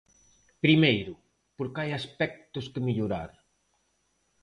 Primeiro, porque hai aspectos que mellorar.